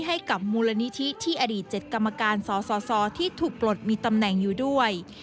ให้กับมูลนิธิที่อดีต๗กรรมการสสที่ถูกปลดมีตำแหน่งอยู่ด้วย